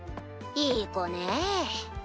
いい子ねぇ。